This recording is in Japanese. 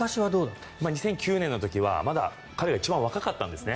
２００９年の時はまだ彼は一番若かったんですね。